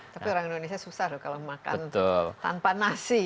tapi orang indonesia susah loh kalau makan tanpa nasi